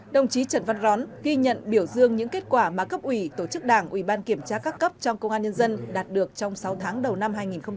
đồng chí trần văn rón ghi nhận biểu dương những kết quả mà cấp ủy tổ chức đảng ủy ban kiểm tra các cấp trong công an nhân dân đạt được trong sáu tháng đầu năm hai nghìn hai mươi